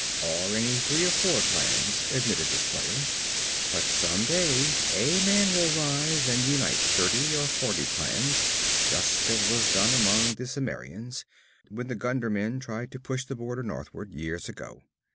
'Or any three or four clans,' admitted the slayer. 'But some day a man will rise and unite thirty or forty clans, just as was done among the Cimmerians, when the Gundermen tried to push the border northward, years ago.